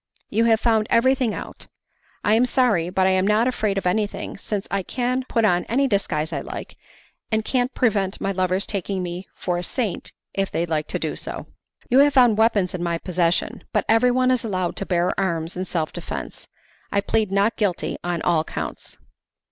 You have found everything out. I am sorry, but I am not afraid of anything, since I can put on any disguise I like, and can't prevent my lovers taking me for a saint if they like to do so. You have found weapons in my possession, but everyone is allowed to bear arms in self defence. I plead not guilty on all counts."